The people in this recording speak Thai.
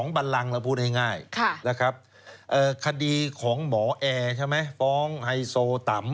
๒บันลังเราพูดง่ายคดีของหมอแอร์ฟ้องไฮโซต่ำ